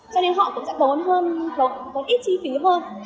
cho nên họ cũng sẽ có ít chi phí hơn